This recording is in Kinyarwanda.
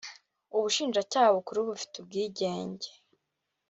ubushinjacyaha bukuru bufite ubwigenge